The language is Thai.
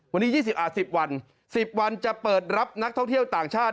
วันนี้ยี่สิบอ่าสิบวันสิบวันจะเปิดรับนักท่องเที่ยวต่างชาติ